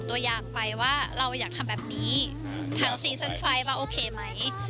ตัวอย่างไฟว่าเราอยากทำแบบนี้ทางซีซั่นไฟล์ว่าโอเคไหม